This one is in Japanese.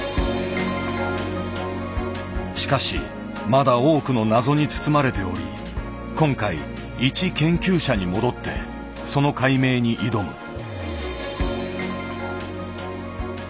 しかしまだ多くの謎に包まれており今回いち研究者に戻ってその解明に挑む。